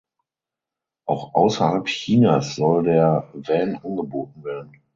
Auch außerhalb Chinas soll der Van angeboten werden.